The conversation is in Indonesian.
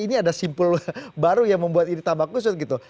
ini ada simpul baru yang membuat ini tambah kusut gitu